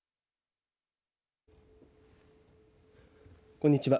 こんにちは。